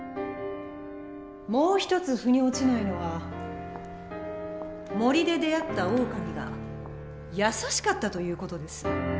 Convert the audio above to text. もう一つ腑に落ちないのは森で出会ったオオカミが優しかったという事です。